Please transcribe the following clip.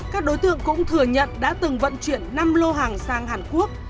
các đối tượng cũng thừa nhận đã từng vận chuyển năm lô hàng sang hàn quốc